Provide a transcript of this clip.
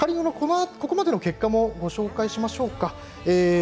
ここまでの結果もご紹介しましょう。